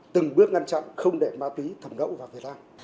từng bước ngăn chặn không để ma túy thầm đậu vào việt nam